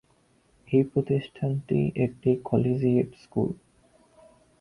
এই প্রতিষ্ঠানটি একটি কলেজিয়েট স্কুল।